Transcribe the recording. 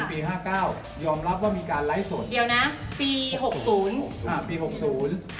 ปีห้าเก้ายอมรับว่ามีการไลฟ์สดเดี๋ยวนะปีหกศูนย์